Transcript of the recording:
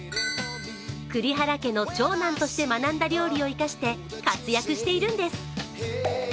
栗原家の長男として学んだ料理を生かして活躍しているんです。